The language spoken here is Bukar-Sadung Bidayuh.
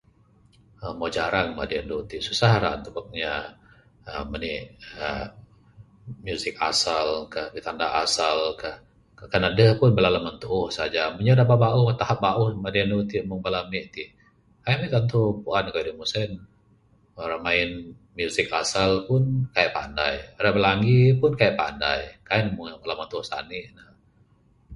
Mbuh jarang madi andu tik, susah ra ntubuk inya uhh manik uhh musik asal kah, bitanda asal kah. Kan aduh pun bala laman tuuh saja. Inya da bauh, taap bauh madi andu tik, mung bala amik tik, kaik mik tantu puan kayuh da mung sien. Rak main musik asal pun kaik pandai. Rak bilangi pun kaik pandai. Kaik ne mung laman tuuh sanik ne.